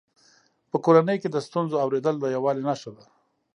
په کورنۍ کې د ستونزو اورېدل د یووالي نښه ده.